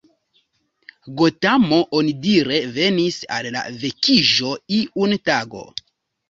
Gotamo onidire venis al la vekiĝo iun tago.